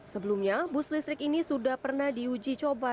sebelumnya bus listrik ini sudah pernah diuji coba